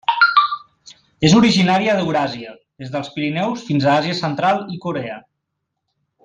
És originària d'Euràsia, des dels Pirineus fins a Àsia central i Corea.